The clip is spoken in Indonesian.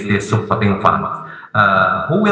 siapa yang akan mengoperasikannya